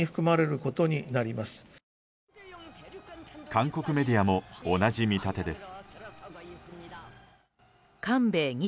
韓国メディアも同じ見立てです。